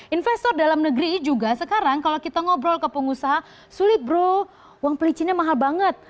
investor dalam negeri juga sekarang kalau kita ngobrol ke pengusaha sulit bro uang pelicinnya mahal banget